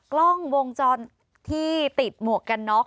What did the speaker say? กล้องวงจรปิดที่ติดหมวกกันน็อก